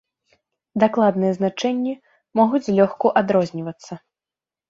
Дакладныя значэнні могуць злёгку адрознівацца.